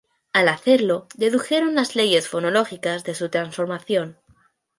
Al hacerlo, dedujeron las leyes fonológicas de su transformación.